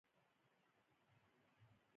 همداسې اېښودل شوي پاتې شول.